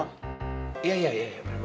gue males banget punya anak dari lo